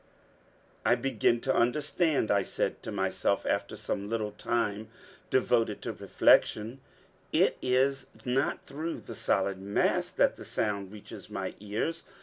"I begin to understand," I said to myself after some little time devoted to reflection; "it is not through the solid mass that the sound reaches my ears.